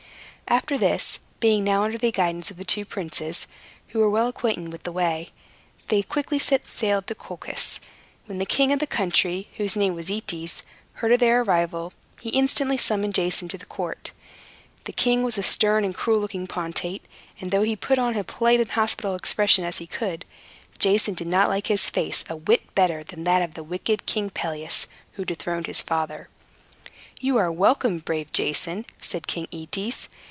After this (being now under the guidance of the two princes, who were well acquainted with the way), they quickly sailed to Colchis. When the king of the country, whose name was Aetes, heard of their arrival, he instantly summoned Jason to court. The king was a stern and cruel looking potentate; and though he put on as polite and hospitable an expression as he could, Jason did not like his face a whit better than that of the wicked King Pelias, who dethroned his father. "You are welcome, brave Jason," said King Aetes.